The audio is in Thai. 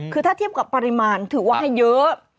คือถ้าเทียบกับปริมาณถือว่าให้เยอะ